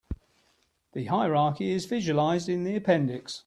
The hierarchy is visualized in the appendix.